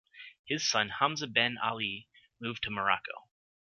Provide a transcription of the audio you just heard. His son Hamza ben Ali moved to Morocco.